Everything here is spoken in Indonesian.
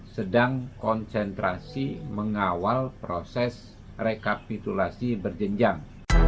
sedang konsentrasi mengawal proses rekapitulasi berjenjang